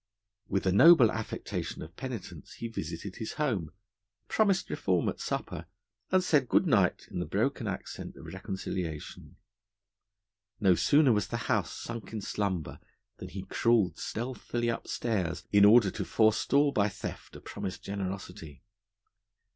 With a noble affectation of penitence he visited his home; promised reform at supper; and said good night in the broken accent of reconciliation. No sooner was the house sunk in slumber than he crawled stealthily upstairs in order to forestall by theft a promised generosity.